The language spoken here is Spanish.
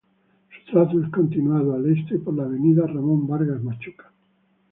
Su trazo es continuado al este por la avenida Ramón Vargas Machuca.